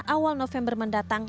awal november mendatang